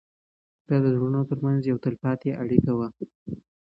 دا د زړونو تر منځ یوه تلپاتې اړیکه وه.